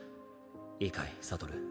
いいかい悟。